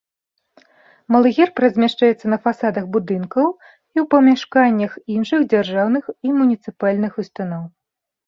Малы герб размяшчаецца на фасадах будынкаў і ў памяшканнях іншых дзяржаўных і муніцыпальных устаноў.